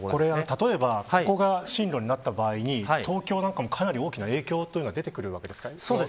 例えばここが進路になった場合東京とかもかなり大きな影響が出てくるわけですか。